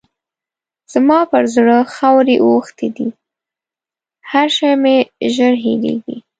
زما پر زړه خاورې اوښتې دي؛ هر شی مې ژر هېرېږي.